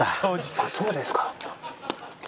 あっそうですか。